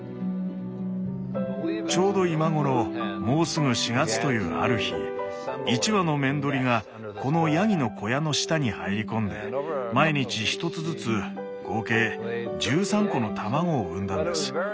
ちょうど今頃もうすぐ４月というある日１羽のメンドリがこのヤギの小屋の下に入り込んで毎日１つずつ合計１３個の卵を産んだんです。